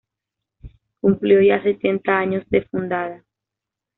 Cumplió ya setenta años de fundada.